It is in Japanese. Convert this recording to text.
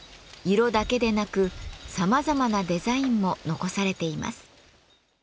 色だけでなくさまざまなデザインも残されています。